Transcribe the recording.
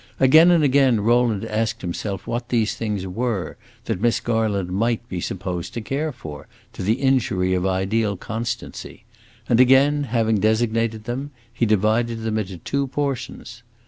Again and again Rowland asked himself what these things were that Miss Garland might be supposed to care for, to the injury of ideal constancy; and again, having designated them, he divided them into two portions.